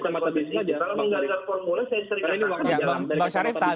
kecamatan bisnisnya jika menggalikan formula e saya sering akan menggalikan